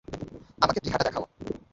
আমাকে প্লীহাটা দেখাও।